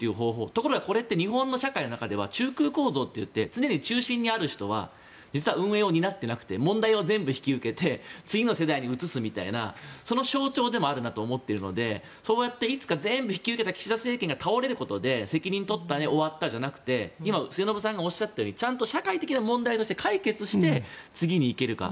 ところがこれって日本の社会の中では中空構造といって常に中心にある人は運営を担っていなくて問題を全部引き受けて次の世代に移すみたいな象徴だと思っているのでそうやっていつか全部引き受けた岸田政権が倒れることで責任取ったね終わったじゃなくて今末延さんがおっしゃったようにちゃんと社会的な問題として解決して次に行けるか。